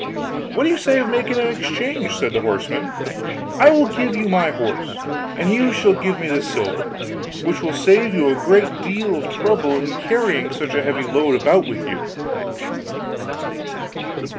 'What do you say of making an exchange?' said the horseman. 'I will give you my horse, and you shall give me the silver; which will save you a great deal of trouble in carrying such a heavy load about with you.